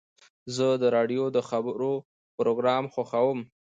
زه د راډیو د خبرو پروګرام خوښوم.